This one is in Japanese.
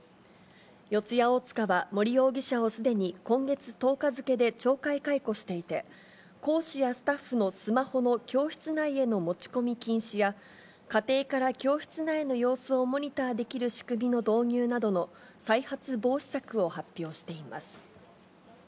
四谷大塚は森容疑者をすでに今月１０日付で懲戒解雇していて、講師やスタッフのスマホの教室内への持ち込み禁止や、家庭から教室内の様子をモニターできる仕組みの導入などの再発防止策を発表しています。